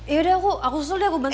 yaudah aku susul deh aku bantu